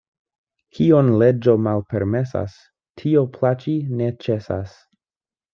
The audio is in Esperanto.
Kion leĝo malpermesas, tio plaĉi ne ĉesas.